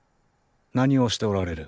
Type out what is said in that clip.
何をしておられる。